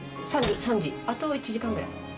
３時、あと１時間ぐらい。